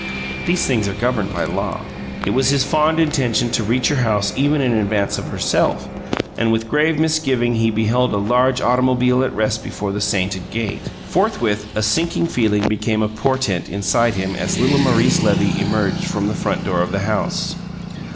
These things are governed by law. It was his fond intention to reach her house even in advance of herself, and with grave misgiving he beheld a large automobile at rest before the sainted gate. Forthwith, a sinking feeling became a portent inside him as little Maurice Levy emerged from the front door of the house.